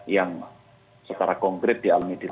yang secara konkret dialami di